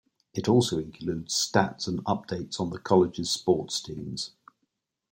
It also includes stats and updates on the college's sports teams.